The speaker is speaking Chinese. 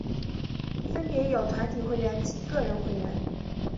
分别有团体会员及个人会员。